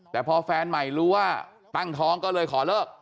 แต่พอแฟนใหม่รู้ว่าตั้งท้องก็เลยขอเลิก